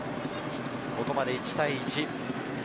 ここまで１対１。